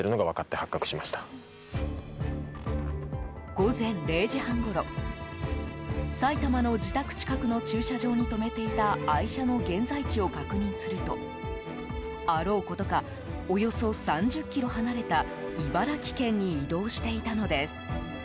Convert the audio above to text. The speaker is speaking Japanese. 午前０時半ごろ埼玉の自宅近くの駐車場に止めていた愛車の現在地を確認するとあろうことかおよそ３０ｋｍ離れた茨城県に移動していたのです。